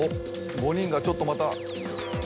５人がちょっとまた。